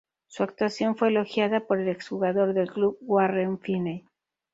Su actuación fue elogiada por el ex-jugador del club, Warren Feeney.